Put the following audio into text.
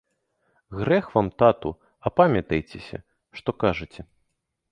Грэх вам, тату, апамятайцеся, што кажаце.